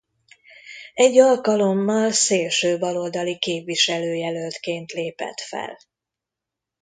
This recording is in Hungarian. Egy alkalommal szélsőbaloldali képviselőjelöltként lépett fel.